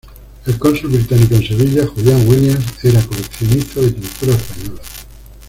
El cónsul británico en Sevilla, Julian Williams, era coleccionista de pintura española.